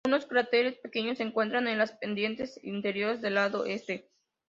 Unos cráteres pequeños se encuentran en las pendientes interiores del lado este.